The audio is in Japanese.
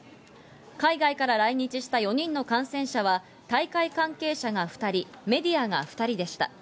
海外から来日した４人の感染者は大会関係者が２人、メディアが２人でした。